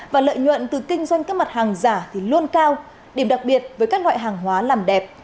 và lợi nhuận từ kinh doanh các mặt hàng giả thì luôn cao điểm đặc biệt với các loại hàng hóa làm đẹp